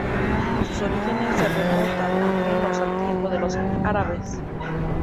Sus orígenes se remontan, al menos, al tiempo de los árabes.